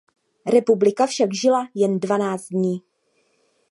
Republika však žila jen dvanáct dní.